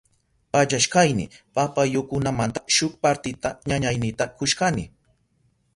Pallashkayni papayukunamanta shuk partita ñañaynita kushkani.